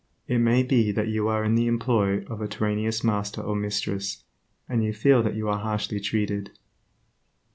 It may be that you are in the employ of a tyrannous master or mistress, and you feel that you are harshly treated.